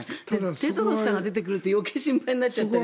テドロスさんが出てくると余計心配になってくるという。